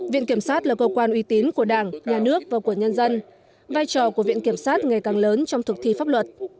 viện kiểm sát là cơ quan uy tín của đảng nhà nước và của nhân dân vai trò của viện kiểm sát ngày càng lớn trong thực thi pháp luật